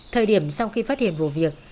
thời điểm sau khi phát hiện vụ việc